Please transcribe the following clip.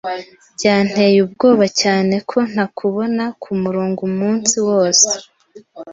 Byanteye ubwoba cyane ko ntakubona kumurongo umunsi wose.